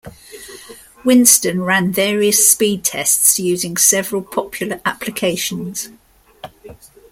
Winstone ran various speed tests using several popular applications.